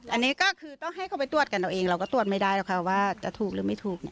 อันนี้ก็คือต้องให้เขาไปตรวจกันเอาเองเราก็ตรวจไม่ได้หรอกค่ะว่าจะถูกหรือไม่ถูก